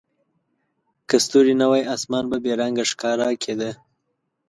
که ستوري نه وای، اسمان به بې رنګه ښکاره کېده.